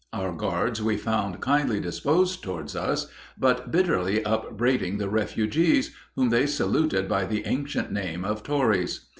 Our guards we found kindly disposed toward us, but bitterly upbraiding the refugees, whom they saluted by the ancient name of Tories.